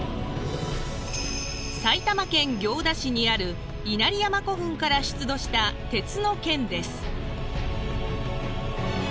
埼玉県行田市にある稲荷山古墳から出土した鉄の剣です。